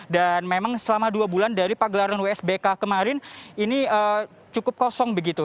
dan memang selama dua bulan dari pagelaran wsbk kemarin ini cukup kosong begitu